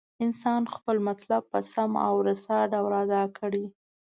انسان خپل مطلب په سم او رسا ډول ادا کړي.